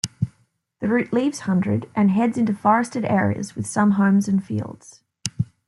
The route leaves Hundred and heads into forested areas with some homes and fields.